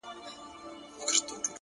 ژوند در ډالۍ دى تاته،